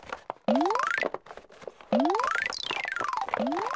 うん？